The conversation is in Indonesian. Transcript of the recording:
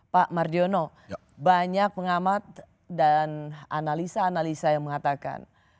pak mardiono banyak pengamat dan analisa analisa yang mengatakan